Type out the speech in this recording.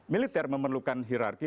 militer memerlukan hirarki